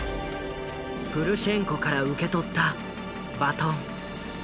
プルシェンコから受け取ったバトン。